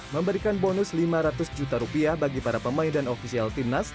memberikan bonus lima ratus juta rupiah bagi para pemain dan ofisial timnas